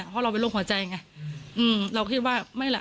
เพราะเราเป็นโรคหัวใจไงเราคิดว่าไม่ล่ะ